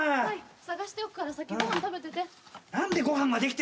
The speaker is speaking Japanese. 探しておくから先ご飯食べてて。